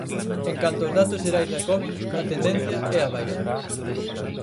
En canto os datos xerais da covid, a tendencia é á baixa.